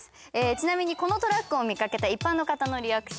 ちなみにこのトラックを見かけた一般の方のリアクション